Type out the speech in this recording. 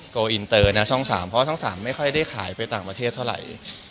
อินเตอร์นะช่อง๓เพราะว่าช่อง๓ไม่ค่อยได้ขายไปต่างประเทศเท่าไหร่